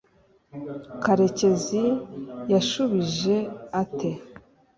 karekezi yashubije ate